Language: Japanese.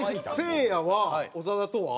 せいやは長田とは？